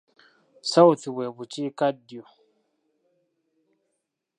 South bwe Bukiikaddyo.